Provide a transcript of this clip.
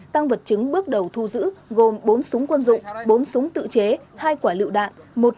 tăng vật chứng bước đầu thu giữ gồm bốn súng quân dụng bốn súng tự chế hai quả lựu đạn